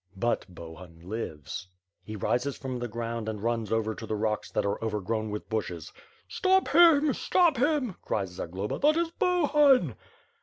But Bohun lives. He rises from the ground and runs over to the rocks that are overgrown with bushes. "Stop him! Stop him!" cries Zagloba. "That is Bohun!"